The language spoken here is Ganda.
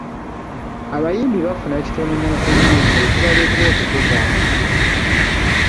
Abayimbi bafuna kitono mu kuyimba ekibaletera okukuvaamu.